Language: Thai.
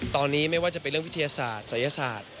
ตอนนี้ไม่ว่าจะเป็นเรื่องวิทยาศาสตร์ศัยศาสตร์